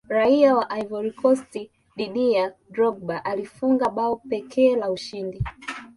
raia wa ivory coast didier drogba alifunga bao pekee la ushindi